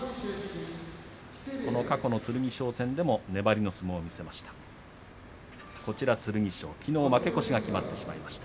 過去の剣翔戦でも、粘りの相撲を見せました。